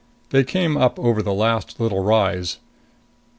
They came up over the last little rise.